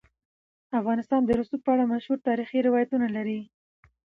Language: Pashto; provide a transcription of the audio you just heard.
افغانستان د رسوب په اړه مشهور تاریخی روایتونه لري.